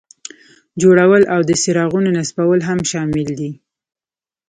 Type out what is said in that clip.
جوړول او د څراغونو نصبول هم شامل دي.